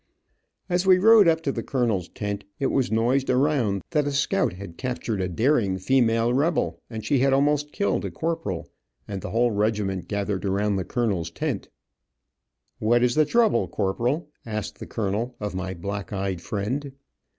As we rode up to the colonel's tent, it was noised around that a scout had captured a daring female rebel, and she had almost killed a corporal, and the whole regiment gathered around the colonel's tent. "What is the trouble, corporal?" asked the colonel of my black eyed friend.